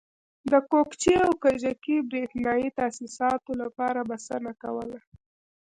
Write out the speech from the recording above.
د کوکچې او کجکي برېښنایي تاسیساتو لپاره بسنه کوله.